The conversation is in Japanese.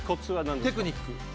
テクニック。